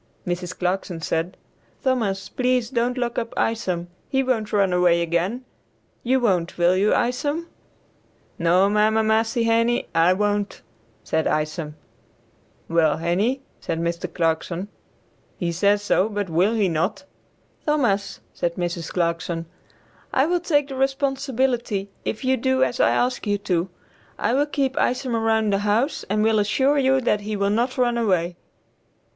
Mrs. Clarkson said, "Thomas, please don't lock up Isom; he won't run away again. You won't, will you Isom?" "No, mamma massie Henie, I won't," said Isom. "Yes, Henie," said Mr. Clarkson, "he says so, but will he not?" "Thomas," said Mrs. Clarkson, "I will take the responsibility if you do as I ask you to; I will keep Isom around the house and will assure you that he will not run away."